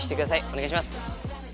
お願いします